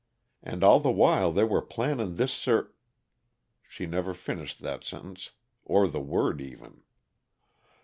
And all the while they were planning this sur " She never finished that sentence, or the word, even.